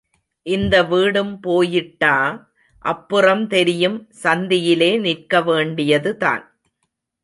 இந்த வீடும் போயிட்டா அப்புறம் தெரியும் சந்தியிலே நிற்கவேண்டியதுதான்.